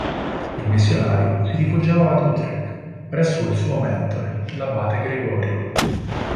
Il missionario si rifugiò ad Utrecht, presso il suo mentore, l'abate Gregorio.